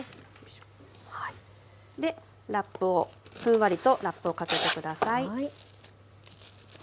でラップをふんわりとラップをかけて下さい。